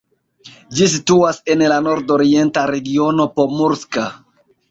Ĝi situas en la nordorienta regiono Pomurska.